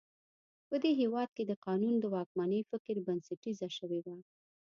په دې هېواد کې د قانون د واکمنۍ فکر بنسټیزه شوی و.